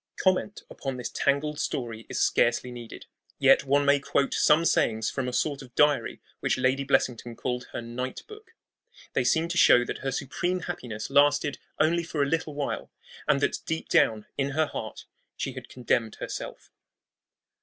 Comment upon this tangled story is scarcely needed. Yet one may quote some sayings from a sort of diary which Lady Blessington called her "Night Book." They seem to show that her supreme happiness lasted only for a little while, and that deep down in her heart she had condemned herself.